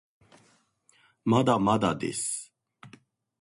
まだまだです